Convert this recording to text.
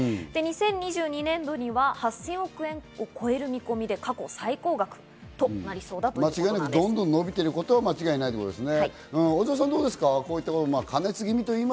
２０２２年度には８０００億円を超える見込みで、過去最高額となりそうだと。どんどん伸びてることは間違いなさそうですね。